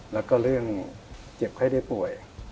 แล้วก็เรื่องเจ็บไข้ได้ป่วย